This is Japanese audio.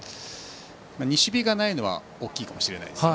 西日がないのは大きいかもしれません。